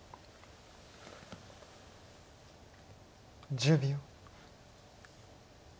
１０秒。